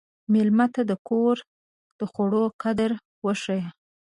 مېلمه ته د کور د خوړو قدر وښیه.